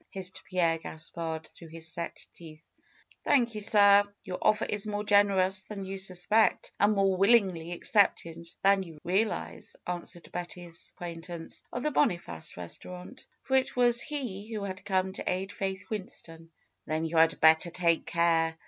hissed Pierre Gaspard through his set teeth. Thank you, sir! Your offer is more generous than you suspect, and more willingly accepted than you real ize," answered Betty's acquaintance of the Boniface restaurant, for it was he who had come to aid Faith Winston. "Then you had better take care.